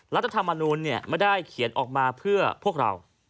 รัฐธรรมนูลไม่ได้เขียนออกมาเพื่อพวกเรา